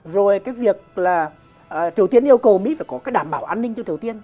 rồi cái việc là tổ tiên yêu cầu mỹ phải có cái đảm bảo an ninh cho tổ tiên